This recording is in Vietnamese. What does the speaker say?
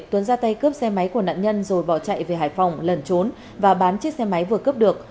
tuấn ra tay cướp xe máy của nạn nhân rồi bỏ chạy về hải phòng lần trốn và bán chiếc xe máy vừa cướp được